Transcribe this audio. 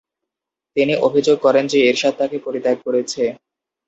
তিনি অভিযোগ করেন যে এরশাদ তাকে পরিত্যাগ করেছে।